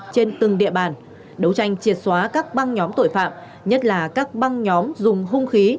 trên từng địa bàn đấu tranh triệt xóa các băng nhóm tội phạm nhất là các băng nhóm dùng hung khí